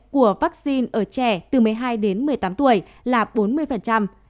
của vaccine ở trẻ từ một mươi hai đến một mươi tám tuổi là bốn mươi